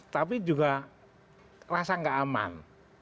tapi juga rasa gak aman